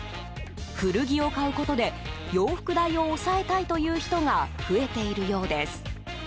古着を買うことで洋服代を抑えたいという人が増えているようです。